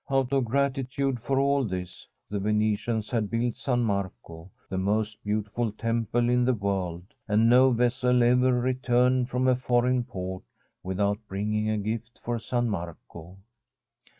Out of gratitude for all this the Venetians had built San Marco the most beautiful temple in the world, and no vessel ever returned from a foreign port without bringing a gift for San Marco.